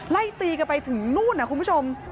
ไล่ตีกันไปถึงนู่นนะคุณผู้ชม